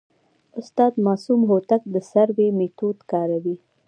استاد معصوم هوتک د سروې میتود کاروي.